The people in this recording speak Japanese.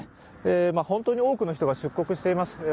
本当に多くの人が出国しています。